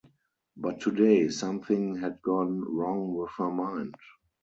But today something had gone wrong with her mind.